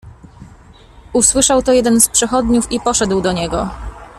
"Usłyszał to jeden z przechodniów i podszedł do niego."